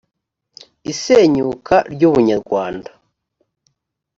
isenyuka ry’ubunyarwanda